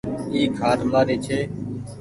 اي کآٽ مآري ڇي